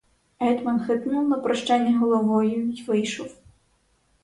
Гетьман хитнув на прощання головою й вийшов.